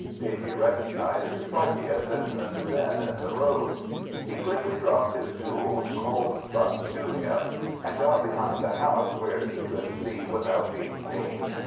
Davy recognized his buggy as it turned the bend in the road. He quickly dropped his tools, called Buck to him and got behind the house where he could see without being seen.